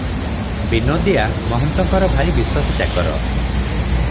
ବିନୋଦିଆ ମହନ୍ତଙ୍କର ଭାରି ବିଶ୍ୱାସୀ ଚାକର ।